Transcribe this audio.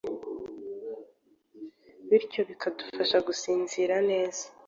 bityo zikagufasha gusinzira neza